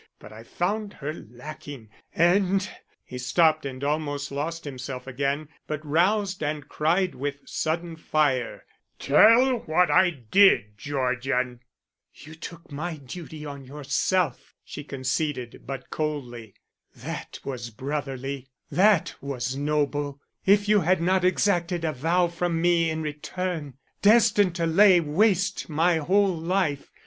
But I found her lacking, and " He stopped and almost lost himself again, but roused and cried with sudden fire, "Tell what I did, Georgian." "You took my duty on yourself," she conceded, but coldly. "That was brotherly; that was noble, if you had not exacted a vow from me in return, destined to lay waste my whole life.